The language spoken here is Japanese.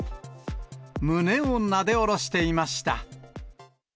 胸をなでおろしていました。